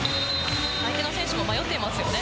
相手の選手も迷っていますよね